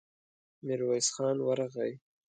ميرويس خان ورغی.